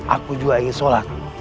aku juga ingin sholat